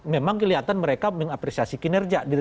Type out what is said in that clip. memang kelihatan mereka mengapresiasi kinerja